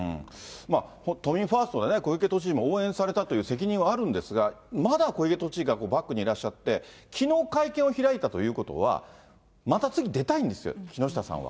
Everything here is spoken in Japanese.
都民ファーストで、小池知事も応援されたという責任はあるんですが、まだ小池都知事がバックにいらっしゃって、きのう会見を開いたということは、また次出たいんですよ、木下さんは。